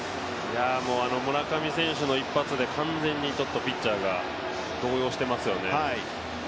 もうあの村上選手の一発で完全にピッチャーが動揺してますよね。